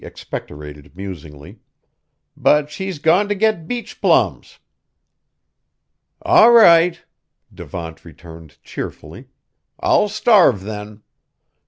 expectorated musingly, "but she's gone t' get beach plums." "All right," Devant returned cheerfully, "I'll starve then.